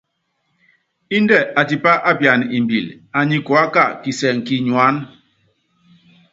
Índɛ atipá apiana imbíli, anyi kuáka kisɛŋɛ kínyuána.